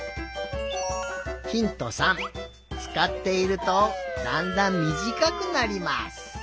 つかっているとだんだんみじかくなります。